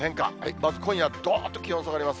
まず今夜、どーんと気温下がります。